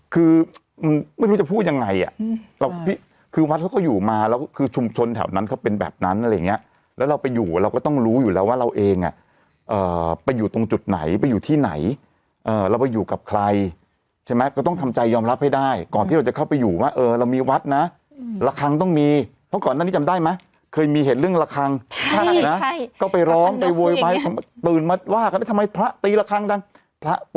คือไม่รู้จะพูดยังไงอ่ะคือวัดเขาก็อยู่มาแล้วคือชุมชนแถวนั้นเขาเป็นแบบนั้นอะไรอย่างเงี้ยแล้วเราไปอยู่เราก็ต้องรู้อยู่แล้วว่าเราเองไปอยู่ตรงจุดไหนไปอยู่ที่ไหนเราไปอยู่กับใครใช่ไหมก็ต้องทำใจยอมรับให้ได้ก่อนที่เราจะเข้าไปอยู่ว่าเออเรามีวัดนะระครั้งต้องมีเพราะก่อนนั้นนี่จำได้ไหมเคยมีเหตุเรื่องระครั้งใช่